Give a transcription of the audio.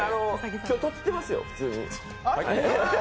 今日、とってますよ、普通に。